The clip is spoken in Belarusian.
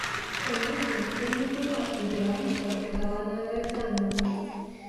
Канешне, я не была ідэальна падрыхтаваная да экзамену.